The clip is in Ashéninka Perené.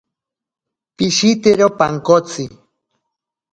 Pishetero pankotsi.